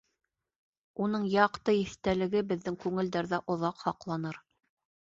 Уның яҡты иҫтәлеге беҙҙең күңелдәрҙә оҙаҡ һаҡланыр!